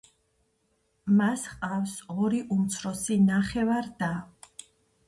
მას ჰყავს ორი უმცროსი ნახევარ-და.